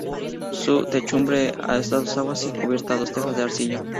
Su techumbre es a dos aguas y su cubierta es con tejas de arcilla.